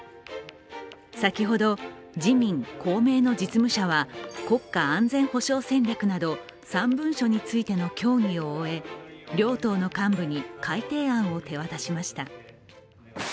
先ほど自民・公明の実務者は国家安全保障戦略など３文書についての協議を終え、両党の幹部に改定案を手渡しました。